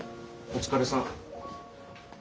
お疲れさん。